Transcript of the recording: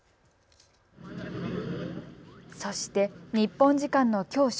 そして日本時間のきょう正